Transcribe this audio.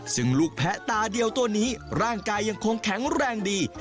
ซึ่งลูกแพะตาเดียวตัวนี้ร่างกายยังคงแข็งแรงดี